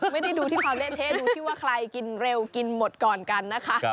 ไม่ได้ดูที่ความเละเทะดูที่ว่าใครกินเร็วกินหมดก่อนกันนะคะ